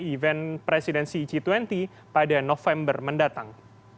event presidensi g dua puluh pada november mendatang